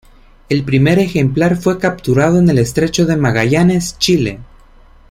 El primer ejemplar fue capturado en el estrecho de Magallanes, Chile.